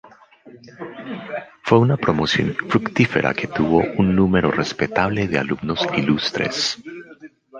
Fue una promoción fructífera que tuvo un número respetable de alumnos ilustres.